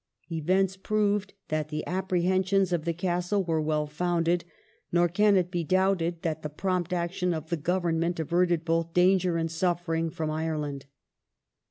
^ Events proved that the apprehensions of the Castle were well founded, nor can it be doubted that the prompt action of the Government averted both danger and suffering from Ireland.